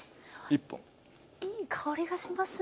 いい香りがしますね